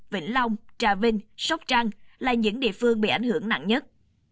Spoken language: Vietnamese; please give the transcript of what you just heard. vĩnh long trà vinh sóc trăng là những địa phương bị ảnh hưởng nặng nhất